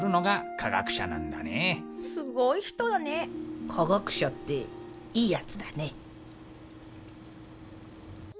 科学者っていいやつだね。